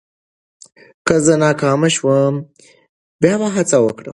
که زه ناکام شوم، بیا به هڅه وکړم.